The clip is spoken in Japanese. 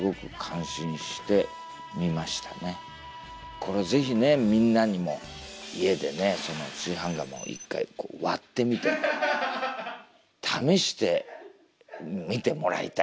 これぜひねみんなにも家で炊飯釜を一回こう割ってみて試してみてもらいたい。